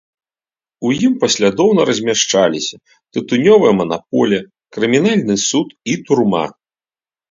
У ім паслядоўна размяшчаліся тытунёвая манаполія, крымінальны суд і турма.